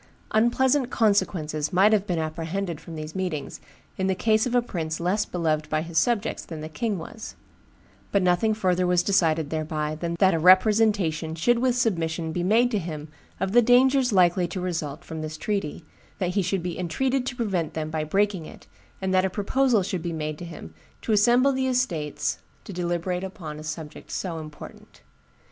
Unpleasant consequences might have been apprehended from these meetings, in the case of a prince less beloved by his subjects than the king was; but nothing further was decided thereby than that a representation should with submission be made to him of the dangers likely to result from this treaty, that he should be entreated to prevent them by breaking it, and that a proposal should be made to him to assemble the estates to deliberate upon a subject so important.